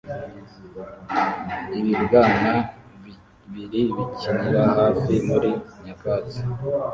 ibibwana bibiri bikinira hafi muri nyakatsi